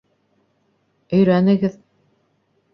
Өйрәнегеҙ.